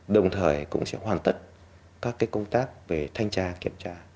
đồng thời cũng sẽ hoàn tất các công tác về thanh tra kiểm tra